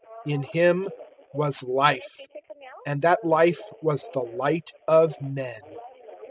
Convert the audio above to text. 001:004 In Him was Life, and that Life was the Light of men.